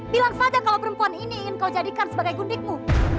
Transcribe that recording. bilang saja kalau perempuan ini ingin kau jadikan sebagai gundikmu